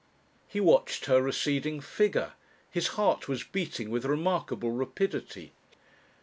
He watched her receding figure. His heart was beating with remarkable rapidity.